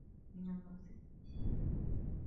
من المؤسف.